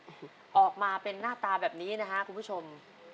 เอามาเป็นนหน้าตาแบบนี้นะฮะคุณผู้ชม